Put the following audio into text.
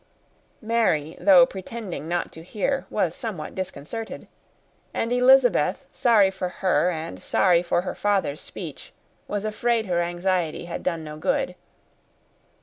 Mary, though pretending not to hear, was somewhat disconcerted; and Elizabeth, sorry for her, and sorry for her father's speech, was afraid her anxiety had done no good.